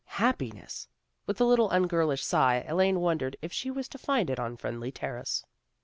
Happiness! With a little ungirlish sigh Elaine wondered if she was to find it on Friendly Terrace.